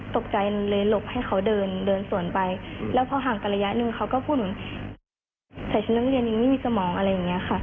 ใส่ชีวิตเรียนนี้ไม่มีสมองอะไรอย่างเงี้ยค่ะ